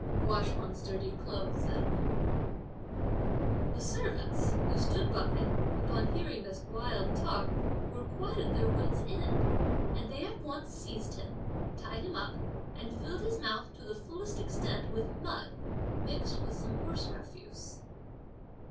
(wash one's dirty clothes at home). The servants who stood by, upon hearing this wild talk, were quite at their wits' end, and they at once seized him, tied him up, and filled his mouth to the fullest extent with mud mixed with some horse refuse.